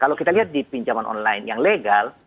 kalau kita lihat di pinjaman online yang legal